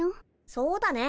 そうだね。